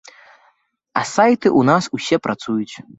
А сайты ў нас усе працуюць.